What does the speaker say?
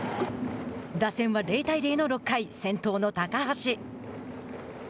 打線は０対０の６回、先頭の高橋。